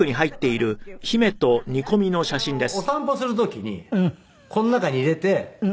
これお散歩する時にこの中に入れて。